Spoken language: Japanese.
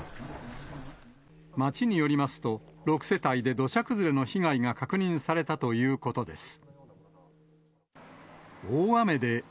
町によりますと、６世帯で土砂崩れの被害が確認されたということです。